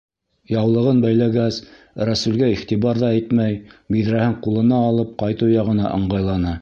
Яулығын бәйләгәс, Рәсүлгә иғтибар ҙа итмәй, биҙрәһен ҡулына алып ҡайтыу яғына ыңғайланы.